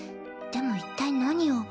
でも一体何を？